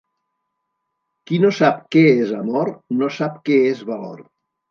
Qui no sap què és amor, no sap què és valor.